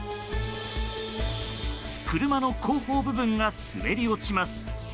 車の後方部分が滑り落ちます。